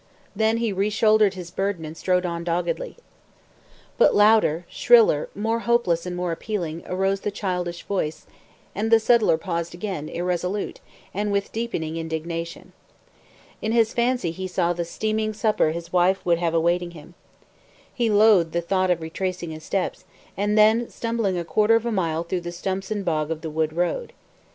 Then he re shouldered his burden and strode on doggedly. But louder, shriller, more hopeless and more appealing, arose the childish voice, and the settler paused again, irresolute, and with deepening indignation. In his fancy he saw the steaming supper his wife would have awaiting him. He loathed the thought of retracing his steps, and then stumbling a quarter of a mile through the stumps and bog of the wood road.